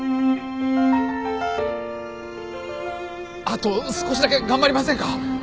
あと少しだけ頑張りませんか？